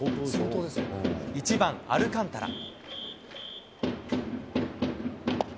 １番アルカンタラ。